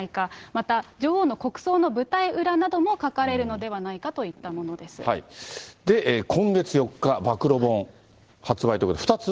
また女王の国葬の舞台裏なども書かれるのではないかといったもので、今月４日、暴露本、発売ということで、２つ？